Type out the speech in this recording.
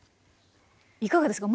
いかがですか？